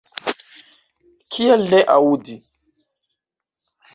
Kial ne aŭdi?